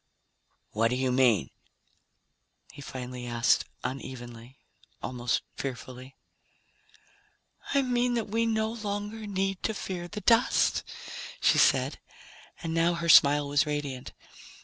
"What do you mean?" he finally asked unevenly, almost fearfully. "I mean that we no longer need to fear the dust," she said, and now her smile was radiant.